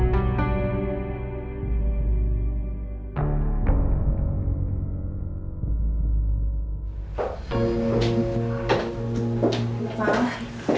mbak belum makan ya